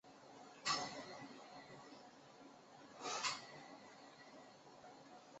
洛伊波尔茨格林是德国巴伐利亚州的一个市镇。